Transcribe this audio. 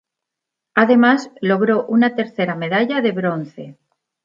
Además logró una tercera medalla, de bronce.